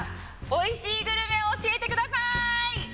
おいしいグルメ教えてください